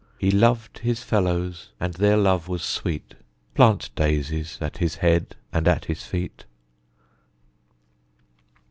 He loved his fellows, and their love was sweet Plant daisies at his head and at his feet.